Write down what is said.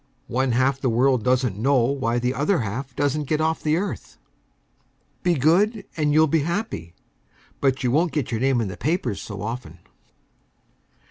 One half the world doesn't know why the other half doesn't get off the earth. Be good and you'll be happy, but you won't get your name in the papers so often.